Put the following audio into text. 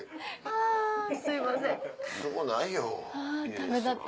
あダメだった。